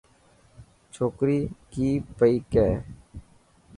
ڇوڪري ڪئي پئي ڪي.